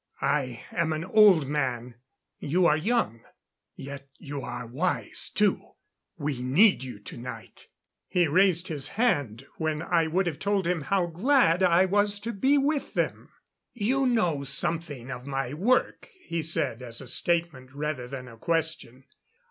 I am an old man you are young. Yet you are wise, too. We need you tonight." He raised his hand when I would have told him how glad I was to be with them. "You know something of my work," he said, as a statement, rather than a question.